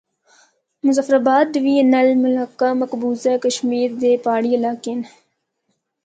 مظفرٓاباد ڈویژن نال ملحقہ مقبوضہ کشمیر دے پہاڑی علاقے ہن۔